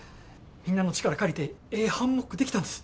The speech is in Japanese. みんなの力借りてええハンモック出来たんです。